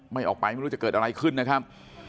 ไม่ออกไปไม่รู้จะเกิดอะไรขึ้นนะครับ